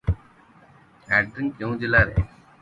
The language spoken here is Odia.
ଆଡ୍ରିଙ୍ଗ କେଉଁ ଜିଲ୍ଲାରେ?